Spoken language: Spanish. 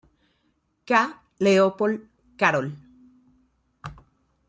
K. Leopol.-Carol.